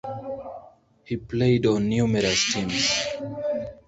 He played on numerous teams.